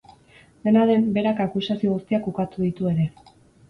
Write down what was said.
Dena den, berak akusazio guztiak ukatu ditu ere.